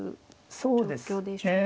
そうですね。